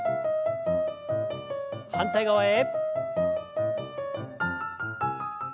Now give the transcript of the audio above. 反対側へ。